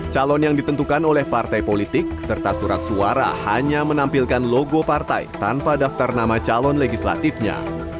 calon yang ditentukan oleh partai politik serta surat suara hanya menampilkan logo partai tanpa daftar nama calon legislatifnya